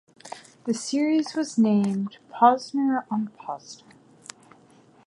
The series was titled Posner on Posner.